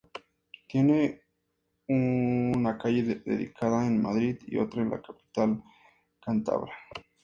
Tiene una calle dedicada en Madrid y otra en la capital cántabra.